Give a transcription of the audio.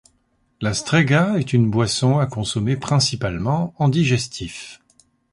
La Strega est une boisson à consommer principalement en digestif.